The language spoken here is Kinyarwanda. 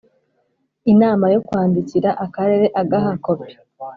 Inama yo kwandikira Akarere agaha kopi